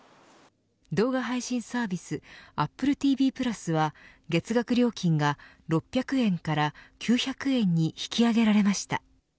動画配信サービスアップルＴＶ＋は月額料金が６００円から９００円に引き上げられました。